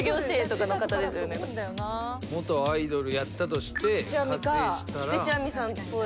元アイドルやったとして。